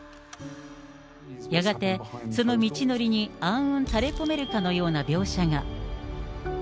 やがてその道のりに、暗雲垂れ込めるかのような描写が。